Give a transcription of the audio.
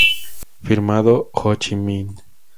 Firmado: Ho Chi Minh".